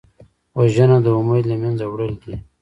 وژنه د امید له منځه وړل دي